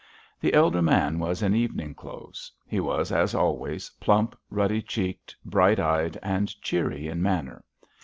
The elder man was in evening clothes; he was, as always, plump, ruddy cheeked, bright eyed, and cheery in manner.